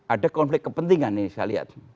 ada konflik kepentingan ini saya lihat